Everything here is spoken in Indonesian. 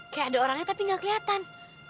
kayak ada orangnya tapi gak kelihatan